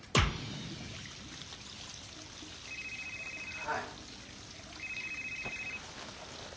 はい。